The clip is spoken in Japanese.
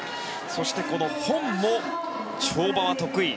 そして、このホンも跳馬は得意。